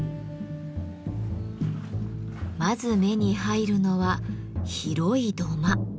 まず目に入るのは広い土間。